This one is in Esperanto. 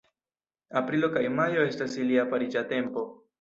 Aprilo kaj majo estas ilia pariĝa tempo.